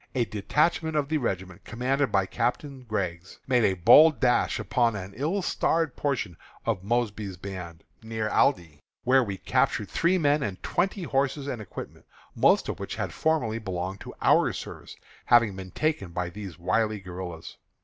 A detachment of the regiment, commanded by Captain Griggs, made a bold dash upon an ill starred portion of Mosby's band, near Aldie, where we captured three men and twenty horses and equipments, most of which had formerly belonged to our service, having been taken by these wily guerillas.